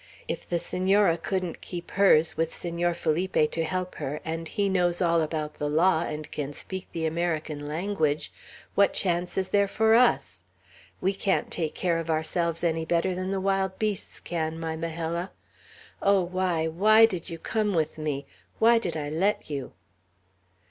If the Senora couldn't keep hers, with Senor Felipe to help her, and he knows all about the law, and can speak the American language, what chance is there for us? We can't take care of ourselves any better than the wild beasts can, my Majella. Oh, why, why did you come with me? Why did I let you?"